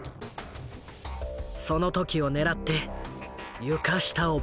その時をねらって床下を爆破。